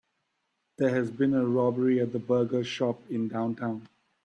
There has been a robbery at the burger shop in downtown.